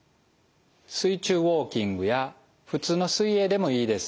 水中ウォーキングや普通の水泳でもいいです。